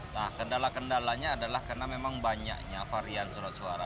nah kendala kendalanya adalah karena memang banyaknya varian surat suara